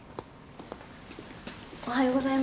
おはようございます。